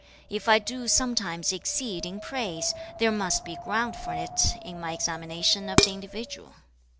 If I do sometimes exceed in praise, there must be ground for it in my examination of the individual.